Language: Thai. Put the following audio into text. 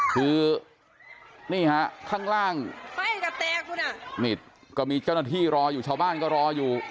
คือนี่ฮะข้างล่างก็มีเจ้าหน้าที่รออยู่ชาวบ้านก็รออยู่